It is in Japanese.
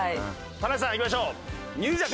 棚橋さんいきましょう。